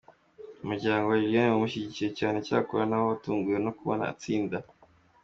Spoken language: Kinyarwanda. Umuryango wa Liliane waramushyigikiye cyane, cyakora nawo watunguwe no kubona atsinda.